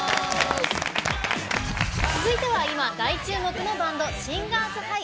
続いては今、大注目のバンド、シンガーズハイ。